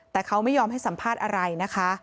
แต่เขาไม่ยอมให้สัมภาษณ์อะไรนะคะ